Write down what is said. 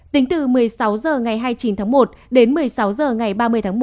tính từ một mươi sáu h ngày hai mươi chín tháng một đến một mươi sáu h ngày ba mươi tháng một mươi